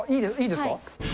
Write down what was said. あっ、いいですか？